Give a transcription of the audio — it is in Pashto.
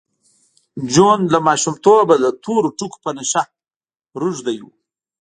جون له ماشومتوبه د تورو ټکو په نشه روږدی و